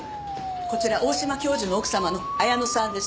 こちら大島教授の奥様の絢乃さんです。